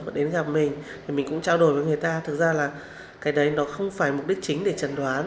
mà đến gặp mình thì mình cũng trao đổi với người ta thực ra là cái đấy nó không phải mục đích chính để chẩn đoán